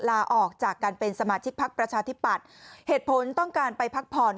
ลาออกจากการเป็นสมาชิกพักประชาธิปัตย์เหตุผลต้องการไปพักผ่อน